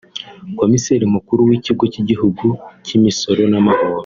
Komiseri Mukuru w’Ikigo cy’Igihugu cy’Imisoro n’amahoro